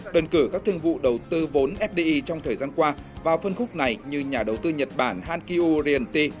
đơn cử các thương vụ đầu tư vốn fdi trong thời gian qua vào phân khúc này như nhà đầu tư nhật bản hankyu rianti